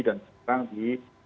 dan sekarang di